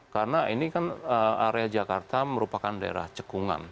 karena ini kan area jakarta merupakan daerah cekungan